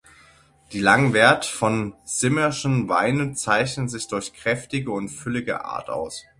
Die Langwerth-von-Simmern’schen Weine zeichnen sich durch kräftige und füllige Art aus.